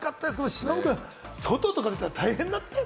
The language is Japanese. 忍君、外とか出たら大変だった？